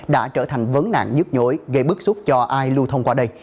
đã trở thành vấn nạn nhức nhối gây bức xúc cho ai lưu thông qua đây